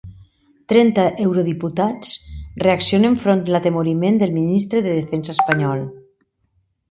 Trenta eurodiputats reaccionen front l'atemoriment del ministre de Defensa espanyol